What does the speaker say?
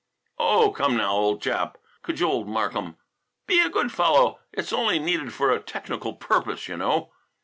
"Oh, come now, old chap," cajoled Markham, "Be a good fellow. It's only needed for a technical purpose, you know."